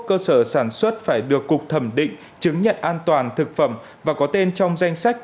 cơ sở sản xuất phải được cục thẩm định chứng nhận an toàn thực phẩm và có tên trong danh sách